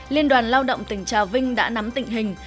liên đoàn lao động tỉnh trà vinh đã nắm tình hình